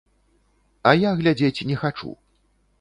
А я глядзець не хачу.